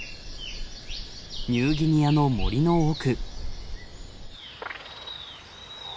ニューギニアの森の奥。